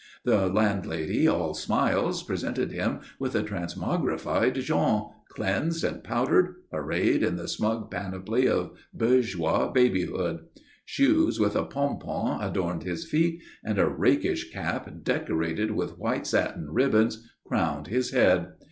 The landlady, all smiles, presented him with a transmogrified Jean, cleansed and powdered, arrayed in the smug panoply of bourgeois babyhood. Shoes with a pompon adorned his feet, and a rakish cap decorated with white satin ribbons crowned his head.